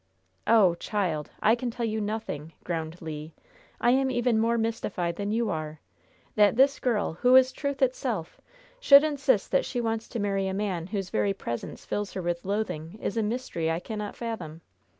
"Oh, child! I can tell you nothing!" groaned Le. "I am even more mystified than you are! That this girl, who is truth itself, should insist that she wants to marry a man whose very presence fills her with loathing, is a mystery I cannot fathom!"